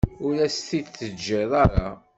Ur as-t-id-teǧǧiḍ ara.